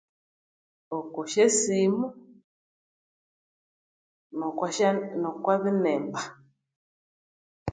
Okwasyosimu nokyasya nokyabinimba